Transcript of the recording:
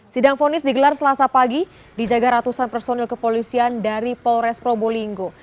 sidang fonis digelar selasa pagi dijaga ratusan personil kepolisian dari polres probolinggo